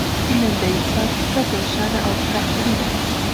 علم د انسان فکر روښانه او پراخوي.